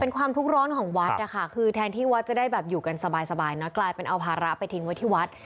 เป็นความทุกข์ร้อนของวัดนะคะคือแทนที่วัดจะได้แบบอยู่กันสบายนะกลายเป็นเอาภาระไปทิ้งไว้ที่วัด